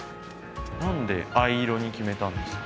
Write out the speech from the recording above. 何で藍色に決めたんですか？